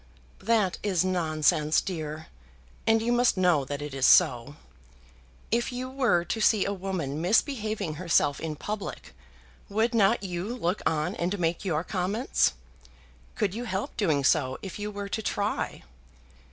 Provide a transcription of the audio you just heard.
"That is nonsense, dear, and you must know that it is so. If you were to see a woman misbehaving herself in public, would not you look on and make your comments? Could you help doing so if you were to try?"